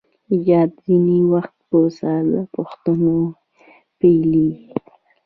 ایجاد ځینې وخت په ساده پوښتنو پیلیږي.